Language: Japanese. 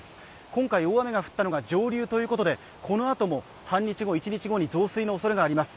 今回大雨が降ったのが上流ということでこのあとも半日後、一日後に増水のおそれがあります。